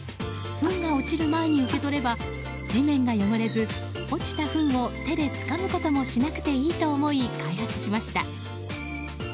ふんが落ちる前に受け取れば地面が汚れず落ちたふんを手でつかむこともしなくていいと思い開発しました。